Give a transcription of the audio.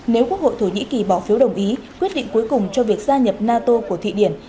nếu quốc hội thổ nhĩ kỳ bỏ phiếu đồng ý quyết định cuối cùng cho việc gia nhập nato của thụy điển